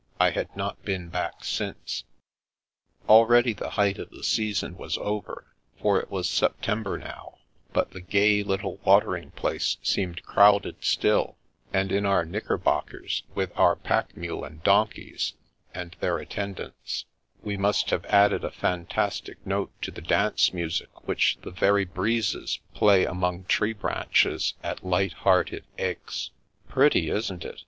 I had not been back since. Already the height of the season was over, for it was September now, but the gay little watering place seemed crowded still, and in our knicker bockers, with our pack mule and donkeys, and their attendants, we must have added a fantastic note to the dance music which the very breezes play among tree branches at light hearted Aix. " Pretty, isn't it